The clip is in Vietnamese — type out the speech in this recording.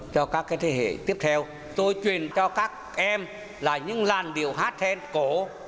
cho các thế hệ tiếp theo tôi truyền cho các em là những làn điệu hát then cổ